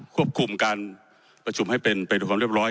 ควบคุมการประชุมให้เป็นไปด้วยความเรียบร้อย